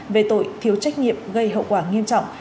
về tội thiếu trách nhiệm gây hậu quả nghiêm trọng